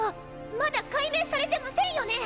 まだ解明されてませんよね？